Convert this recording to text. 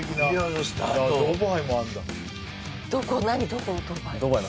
どこドバイ？